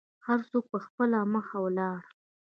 هر څوک په خپله مخه ولاړل.